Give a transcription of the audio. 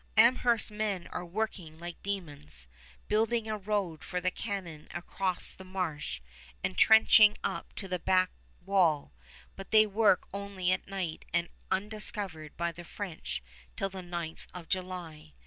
Amherst's men are working like demons, building a road for the cannon across the marsh and trenching up to the back wall; but they work only at night and are undiscovered by the French till the 9th of July.